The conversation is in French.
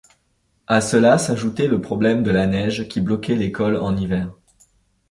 À cela s'ajoutait le problème de la neige qui bloquait les cols en hiver.